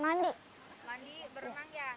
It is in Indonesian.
mandi berenang ya